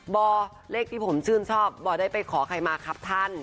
เลขที่ผมชื่นชอบบอได้ไปขอใครมาครับท่าน